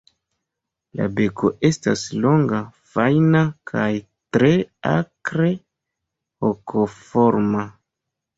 La beko estas longa, fajna, kaj tre akre hokoforma.